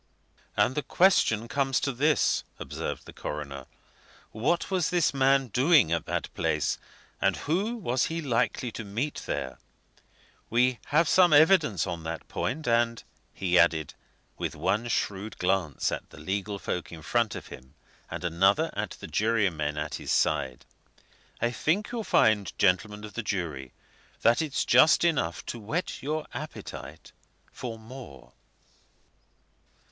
"And the question comes to this," observed the coroner, "what was this man doing at that place, and who was he likely to meet there? We have some evidence on that point, and," he added, with one shrewd glance at the legal folk in front of him and another at the jurymen at his side, "I think you'll find, gentlemen of the jury, that it's just enough to whet your appetite for more."